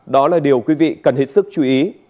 đó là điều quý vị cần hết sức chú ý